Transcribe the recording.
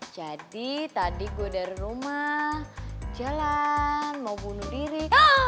jadi tadi gue dari rumah jalan mau bunuh diri